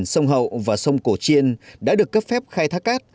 sông hậu và sông cổ chiên đã được cấp phép khai thác cát